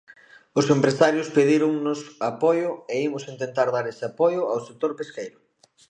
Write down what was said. Os empresarios pedíronnos apoio e imos intentar dar ese apoio ao sector pesqueiro.